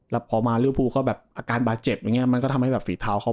แล้วพอมาริวภูเขาแบบอาการบาดเจ็บอย่างนี้มันก็ทำให้แบบฝีเท้าเขา